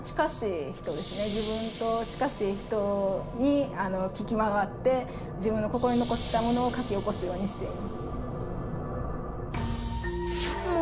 自分と近しい人に聞き回って自分の心に残ったものを書き起こすようにしています。